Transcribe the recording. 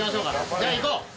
じゃあいこう！